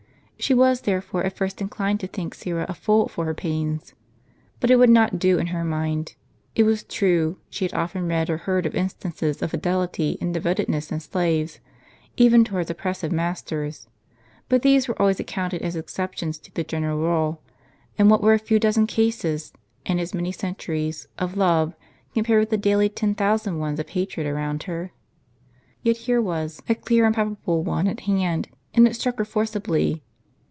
She was therefore at first inclined to think Syra a fool for her pains. But it would not do in her mind. It was true she had often read or heard of instances of fidelity and devotedness in slaves, even towards oppressive masters;* but these were always accounted as exceptions to the general rule ; and what were a few dozen cases, in as many centuries, of love, compared with the daily ten thousand ones of hatred around her? Yet here was a clear and palpable one at hand, and it struck her forcibly.